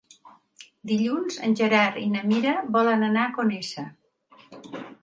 Dilluns en Gerard i na Mira volen anar a Conesa.